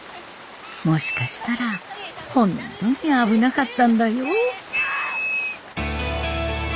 もしかしたら本当に危なかったんだよ？